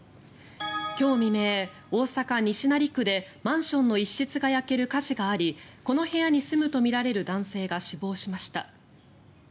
今日未明、大阪・西成区でマンションの一室が焼ける火事がありこの部屋に住むとみられる男性が死亡しました。